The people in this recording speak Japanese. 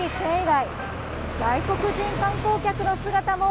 外国人観光客の姿も